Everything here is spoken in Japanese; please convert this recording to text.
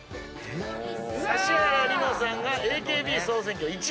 指原莉乃さんがＡＫＢ総選挙１位。